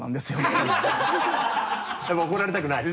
絶対に怒られたくない。